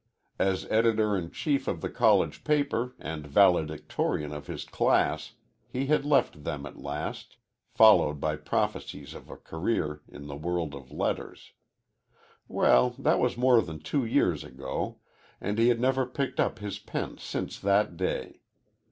As editor in chief of the college paper and valedictorian of his class, he had left them at last, followed by prophecies of a career in the world of letters. Well, that was more than two years ago, and he had never picked up his pen since that day.